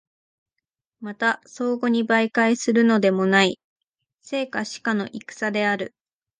また相互に媒介するのでもない、生か死かの戦である。